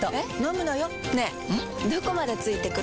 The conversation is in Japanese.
どこまで付いてくる？